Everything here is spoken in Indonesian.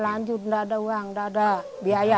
lanjut nggak ada uang nggak ada biaya